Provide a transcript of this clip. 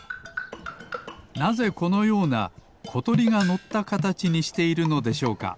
なぜこのようなことりがのったかたちにしているのでしょうか？